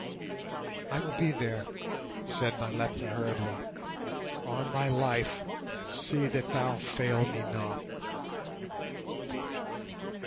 "I will be there," said Nyleptha, hurriedly; "on thy life see that thou fail me not."